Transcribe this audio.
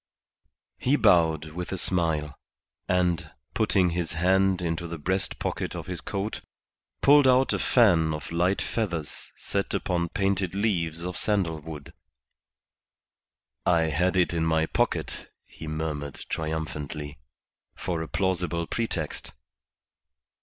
He bowed with a smile, and, putting his hand into the breast pocket of his coat, pulled out a fan of light feathers set upon painted leaves of sandal wood. "I had it in my pocket," he murmured, triumphantly, "for a plausible pretext."